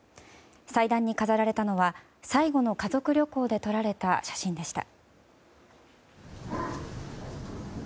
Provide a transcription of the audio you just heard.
祭壇に飾られたのは最後の家族旅行で撮られた写真でした。